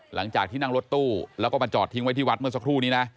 หลังจากที่นั่งรถตู้แล้วก็มาจอดทิ้งไว้ที่วัดเมื่อสักครู่นี้นะ